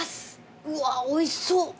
うわっおいしそう。